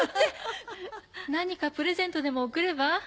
何かプレゼントでも贈れば？